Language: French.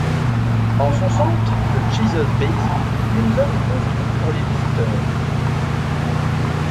En son centre, le Chisos Basin, une zone est construite pour les visiteurs.